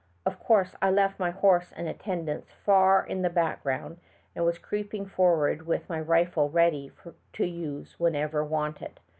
Of course, I left my horse and attendants far in the back ground and was creeping forward with my rifle ready for use whenever wanted.